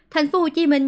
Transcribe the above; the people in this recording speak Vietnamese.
thành phố hồ chí minh